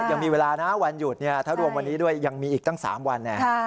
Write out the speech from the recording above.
ยังมีเวลานะวันหยุดเนี่ยถ้ารวมวันนี้ด้วยยังมีอีกตั้ง๓วัน